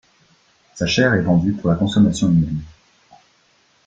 Sa chair est vendue pour la consommation humaine.